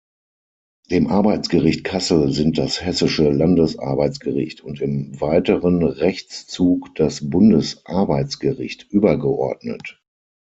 Dem Arbeitsgericht Kassel sind das Hessische Landesarbeitsgericht und im weiteren Rechtszug das Bundesarbeitsgericht übergeordnet.